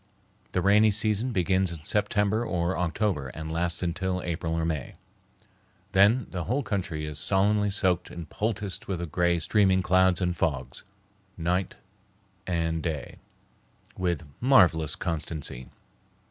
The rainy season begins in September or October and lasts until April or May. Then the whole country is solemnly soaked and poulticed with the gray, streaming clouds and fogs, night and day, with marvelous constancy.